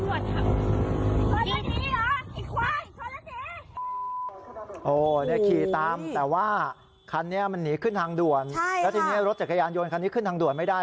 นี่ขี่ตามแต่ว่าคันนี้มันหนีขึ้นทางด่วนแล้วทีนี้รถจักรยานยนต์คันนี้ขึ้นทางด่วนไม่ได้